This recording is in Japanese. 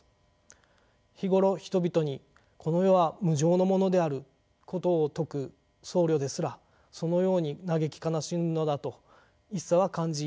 日頃人々にこの世は無常のものであることを説く僧侶ですらそのように嘆き悲しむのだと一茶は感じ入ります。